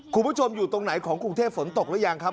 คุณผู้ชมอยู่ตรงไหนของกรุงเทพฝนตกหรือยังครับ